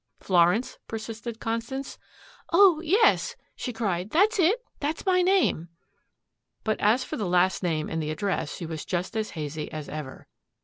"Florence?" persisted Constance. "Oh, yes," she cried, "that's it that's my name." But as for the last name and the address she was just as hazy as ever.